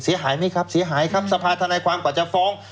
เสียหายไหมครับเสียหายครับสภาธนายความกว่าจะฟ้อง